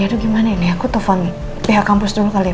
aduh gimana ini aku telpon pihak kampus dulu kali ya